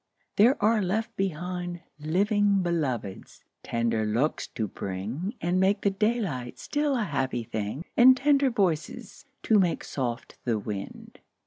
there are left behind Living Beloveds, tender looks to bring, And make the daylight still a happy thing, And tender voices, to make soft the wind.